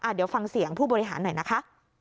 เดี๋ยวฟังเสียงผู้บริหารหน่อยนะคะ